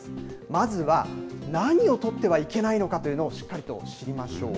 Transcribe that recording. まずは、何を取ってはいけないのかというのを、しっかりと知りましょう。